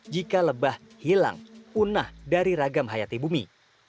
jika lebah hilang punah dari ragam hayati bumi